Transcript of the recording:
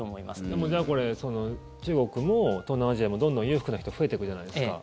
でも、じゃあこれ中国も東南アジアもどんどん裕福な人が増えていくじゃないですか。